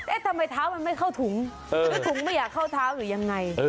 ทำไมเท้ามันไม่เข้าถุงหรือถุงไม่อยากเข้าเท้าหรือยังไง